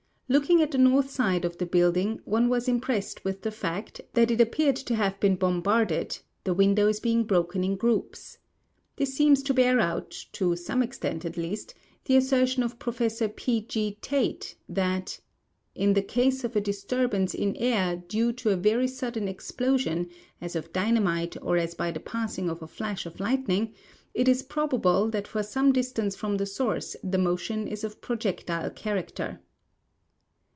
Look ing at the north side of the building, one was impressed with the fact that it appeared to have been bombarded, the windows be ing broken in groups. This seems to bear out, to some extent at least, the assertion of Professor P. G. Tait, that "in the case of a disturbance in air due to a very sudden explosion, as of d^mamite or as by the passage of a flash of lightning, it is proVj THE ABERRATION OF SOUND 249 able that for some distance from the source the motion is of a projectile character."